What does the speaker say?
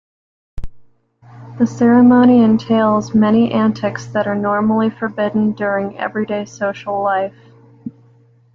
The ceremony entails many antics that are normally forbidden during everyday social life.